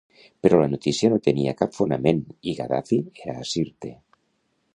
Però la notícia no tenia cap fonament i Gaddafi era a Sirte.